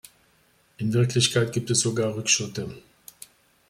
In Wirklichkeit gibt es sogar Rückschritte.